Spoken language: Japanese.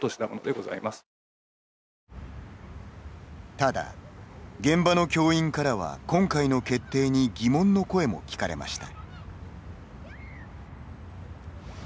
ただ、現場の教員からは今回の決定に疑問の声も聞かれました。